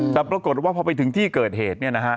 แต่ปรากฏว่าพอไปถึงที่เกิดเหตุเนี่ยนะฮะ